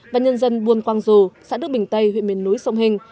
và nhân dân buôn quang dù xã đức bình tây huyện miền núi sông hình